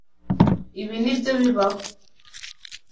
Ibi nibyo bibaho.